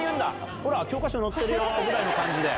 ほら、教科書載ってるよぐらいな感じで。